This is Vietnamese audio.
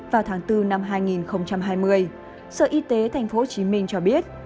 vào tháng bốn năm hai nghìn hai mươi sở y tế tp hcm cho biết